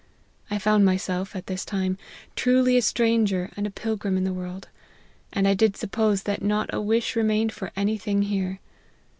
I found myself, at this time, truly a stranger and a pilgrim in the world ; and I did suppose that not a wish remained for any thing here.